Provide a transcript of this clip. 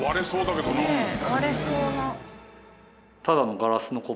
割れそうな。